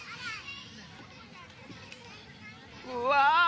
うわ！